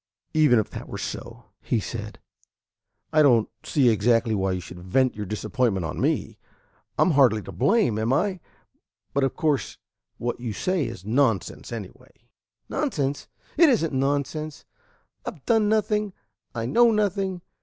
"Even if that were so," he said, "I don't see exactly why you should vent your disappointment on me. I'm hardly to blame, am I? But of course what you say is nonsense anyway." "Nonsense? It is n't nonsense. I've done nothing. I know nothing.